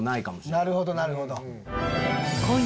なるほどなるほど。